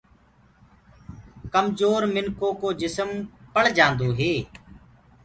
ڪمجور منکُو ڪو جسم پݪ جآندو هي۔